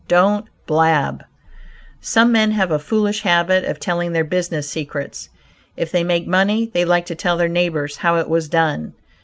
DON'T BLAB Some men have a foolish habit of telling their business secrets. If they make money they like to tell their neighbors how it was done.